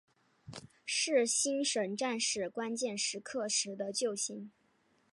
是星神战士关键时刻时的救星。